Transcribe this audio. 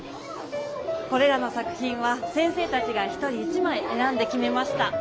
これらの作品は先生たちが一人一まいえらんできめました。